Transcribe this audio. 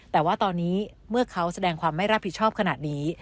แต่ว่าตอนนี้เมื่อเขาแสดงความไม่รับผิดชอบขนาดนี้